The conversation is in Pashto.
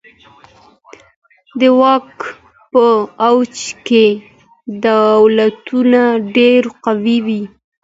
د واک په اوج کي دولتونه ډیر قوي وي.